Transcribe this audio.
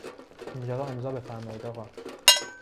اینجا را امضا بفرمایید آقا.